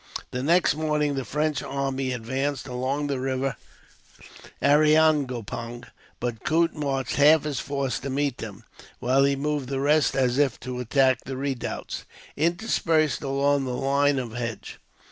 The next morning the French army advanced along the river Ariangopang, but Coote marched half his force to meet them, while he moved the rest as if to attack the redoubts, interspersed along the line of hedge.